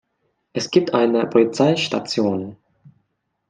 Es gibt eine Polizeistation.